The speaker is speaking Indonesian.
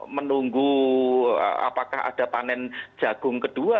menunggu apakah ada panen jagung kedua